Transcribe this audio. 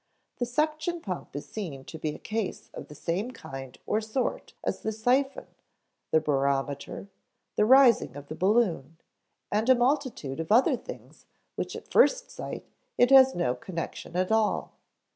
The suction pump is seen to be a case of the same kind or sort as the siphon, the barometer, the rising of the balloon, and a multitude of other things with which at first sight it has no connection at all.